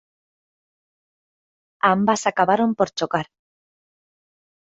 Ambas acabaron por chocar.